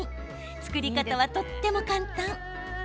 作り方は、とっても簡単。